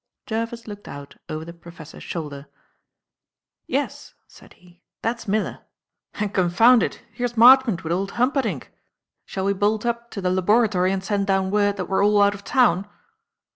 Jervis looked out over the professor's shoulder. "Yes," said he, "that's Miller; and, confound it! here's Marchmont with old Humperdinck. Shall we bolt up to the laboratory and send down word that we're all out of town?"